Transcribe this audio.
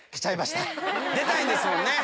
出たいんですもんね。